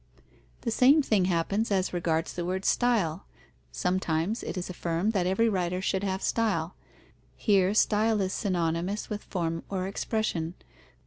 The same thing happens as regards the word style. Sometimes it is affirmed that every writer should have style. Here style is synonymous with form or expression.